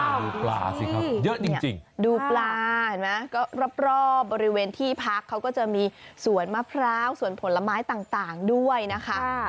ดูปลาสิครับเยอะจริงดูปลาเห็นไหมก็รอบบริเวณที่พักเขาก็จะมีสวนมะพร้าวสวนผลไม้ต่างด้วยนะคะ